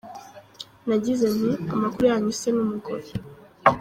Nagize nti - Amakuru yanyu se n’umugore?.